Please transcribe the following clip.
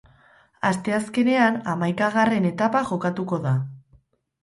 Asteazkenean hamaikagarren etapa jokatuko da.